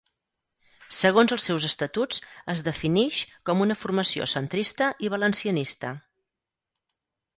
Segons els seus Estatuts, es definix com una formació centrista i valencianista.